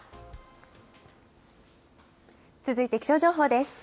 続いて気象情報です。